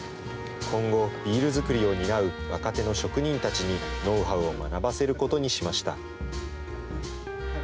今後、ビール作りを担う若手の職人たちに、ノウハウを学ばせることにしました。